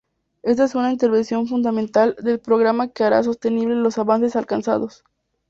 Esta es una intervención fundamental del programa que hará sostenibles los avances alcanzados.